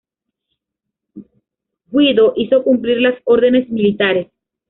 Guido hizo cumplir las órdenes militares.